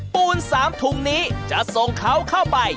ปูน๓ถุงนี้จะส่งเขาเข้าไป